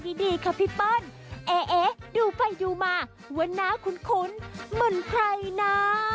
สวัสดีค่ะพี่เปิ้ลเอ๊ะเอ๊ดูไปดูมาวันน้าคุ้นเหมือนใครนะ